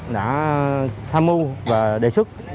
đã tham mưu và đề xuất